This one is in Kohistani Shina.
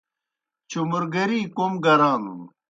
چوْمرگری کوْم گرانُن۔